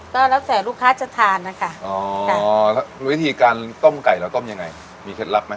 ก็แล้วแต่ลูกค้าจะทานนะคะอ๋อวิธีการต้มไก่เราต้มยังไงมีเคล็ดลับไหม